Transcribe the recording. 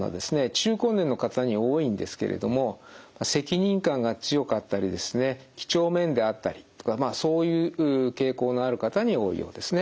中高年の方に多いんですけれども責任感が強かったりですねきちょうめんであったりとかそういう傾向のある方に多いようですね。